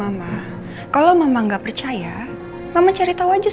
apa karena ma lamanya dangerous